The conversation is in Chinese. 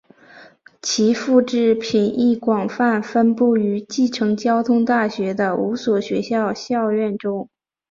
其复制品亦广泛分布于继承交通大学的五所学校校园中。